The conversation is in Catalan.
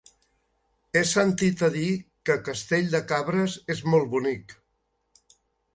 He sentit a dir que Castell de Cabres és molt bonic.